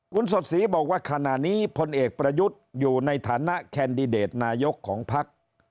คุณสดศรีบอกว่าขณะนี้พลเอกประยุทธ์อยู่ในฐานะแคนดิเดตนายกของพัก